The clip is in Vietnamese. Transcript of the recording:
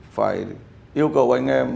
phải yêu cầu anh em